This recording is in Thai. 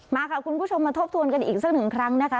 มาค่ะคุณผู้ชมมาทบทวนกันอีกสักหนึ่งครั้งนะคะ